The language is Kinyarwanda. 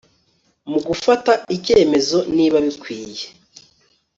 mu gufata icyemezo niba bikwiye